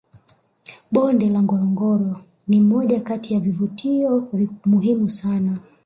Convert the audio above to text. bonde la ngorongoro ni moja Kati ya kivutio muhimu sana